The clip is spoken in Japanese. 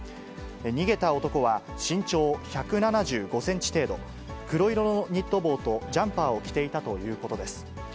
逃げた男は、身長１７５センチ程度、黒色のニット帽とジャンパーを着ていたということです。